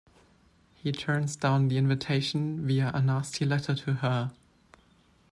He turns down the invitation via a nasty letter to her.